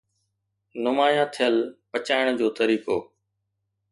نمايان ٿيل پچائڻ جو طريقو